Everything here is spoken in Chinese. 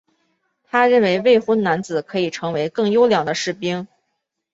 他认为未婚男子可以成为更优良的士兵。